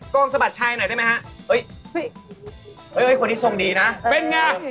กองสะบัดชัยหน่อยได้ไหมครับเอ๊ยคนที่ส่งดีนะ